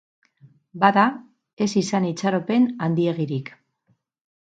Bada, ez izan itxaropen handiegirik.